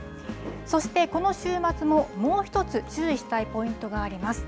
そして、この週末ももう１つ、注意したいポイントがあります。